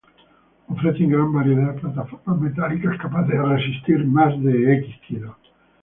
Ofrecen gran variedad de plataformas metálicas, capaces de resistir más de kilos.